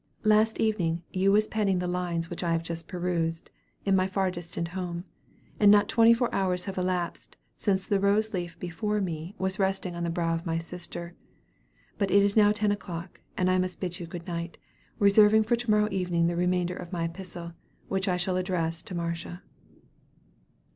Last evening you was penning the lines which I have just perused, in my far distant home; and not twenty four hours have elapsed since the rose leaf before me was resting on the brow of my sister; but it is now ten o'clock, and I must bid you good night, reserving for to morrow evening the remainder of my epistle, which I shall address to Marcia."